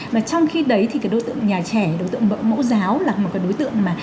mà trong khi đấy thì cái đối tượng nhà trẻ đối tượng bỡ giáo là một cái đối tượng mà